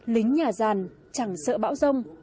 lính nhà giàn chẳng sợ bão rông